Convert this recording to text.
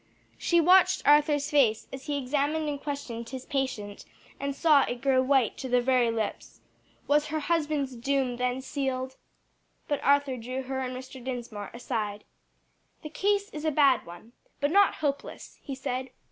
She watched Arthur's face as he examined and questioned his patient, and saw it grow white to the very lips. Was her husband's doom then sealed? But Arthur drew her and Mr. Dinsmore aside. "The case is a bad one, but not hopeless," he said.